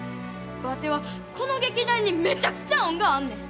ワテはこの劇団にめちゃくちゃ恩があんねん。